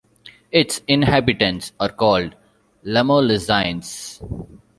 Its inhabitants are called "Lamalousiens".